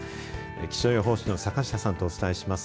気象予報士の坂下さんとお伝えします。